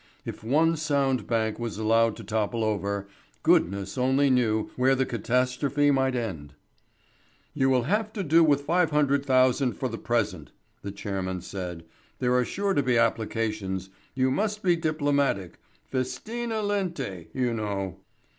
If one sound bank was allowed to topple over, goodness only knew where the catastrophe might end. "You will have to do with £500,000 for the present," the chairman said. "There are sure to be applications. You must be diplomatic; festina lente, you know."